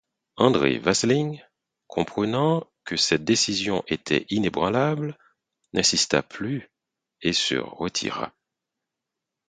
André Vasling, comprenant que cette décision était inébranlable, n’insista plus et se retira.